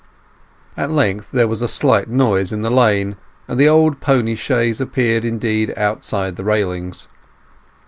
At length there was a slight noise in the lane, and the old pony chaise appeared indeed outside the railings.